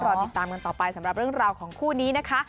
รอติดตามกันต่อไปสำหรับเรื่องราวของคู่นี้นะคะ